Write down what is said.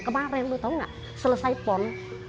kemaren lu tau gak ustazipon